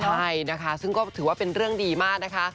ใช่นะคะซึ่งก็ถือว่าเป็นเรื่องดีมากนะคะ